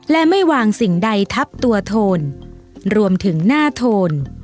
และไม่วางสิ่งใดทับตัวโทนรวมถึงหน้าโทน